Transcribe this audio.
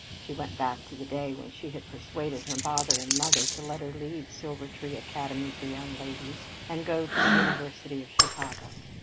She went back to the day when she had persuaded her father and mother to let her leave the Silvertree Academy for Young Ladies and go up to the University of Chicago.